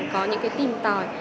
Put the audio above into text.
có những cái tìm tòi